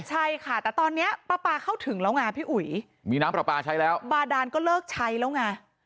ใช่ค่ะแต่ตอนนี้ปลาปลาเข้าถึงแล้วไงพี่อุ๋ยมีน้ำปลาปลาใช้แล้วบาดานก็เลิกใช้แล้วไง